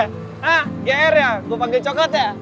hah gr ya gue panggilnya coklat ya